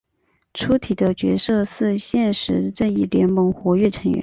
粗体的角色是现时正义联盟活跃成员。